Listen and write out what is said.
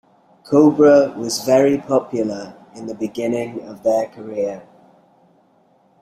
Cobra was very popular in the beginning of their career.